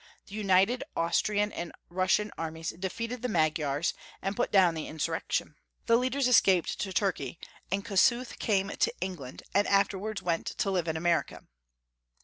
The united Austrian and Russian armies defeated the Magj'^ars, and put down the insurrection. The leaders escaped to Turkey, and Kossuth came to England, and after wards went to live in America.